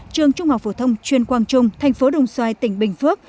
trường trung học phổ thông chuyên quang trung thành phố đồng xoài tỉnh bình phước